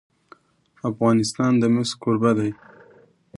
افغانستان د مس کوربه دی.